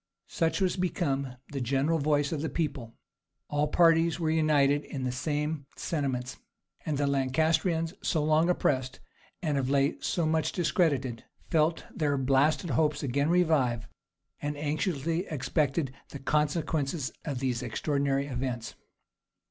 Such was become the general voice of the people; all parties were united in the same sentiments; and the Lancastrians, so long oppressed, and of late so much discredited, felt their blasted hopes again revive, and anxiously expected the consequences of these extraordinary events.